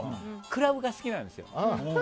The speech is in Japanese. クラブが好きなんですよ。